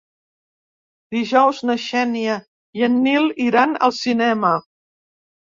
Dijous na Xènia i en Nil iran al cinema.